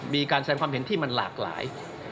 มีการแสดงความเห็นที่มันหลากหลาย